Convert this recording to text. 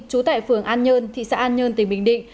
trú tại phường an nhơn thị xã an nhơn tỉnh bình định